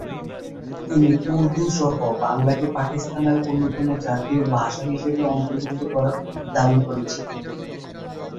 তিনি উর্দু সহ বাংলাকে পাকিস্তানের অন্যতম জাতীয় ভাষা হিসাবে অন্তর্ভুক্ত করার দাবি করেছিলেন।